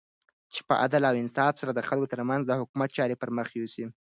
چی په عدل او انصاف سره د خلګو ترمنځ د حکومت چاری پرمخ یوسی